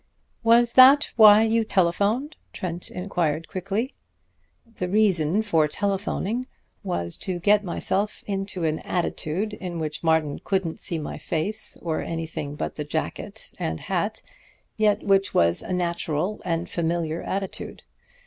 "Was that why you telephoned?" Trent inquired quickly. "The reason for telephoning was to get myself into an attitude in which Martin couldn't see my face or anything but the jacket and hat, yet which was a natural and familiar attitude.